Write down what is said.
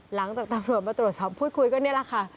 หลังจากตำรวจมาตรวจสอบพูดคุยก็นี่แหละค่ะ